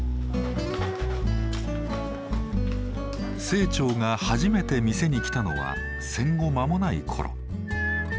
清張が初めて店に来たのは戦後間もない頃。